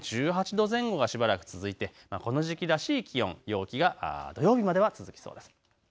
１８度前後がしばらく続いて、この時期らしい気温、陽気が土曜日までは続きそうです。